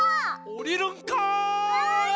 おりるんかい！